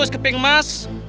seratus keping emas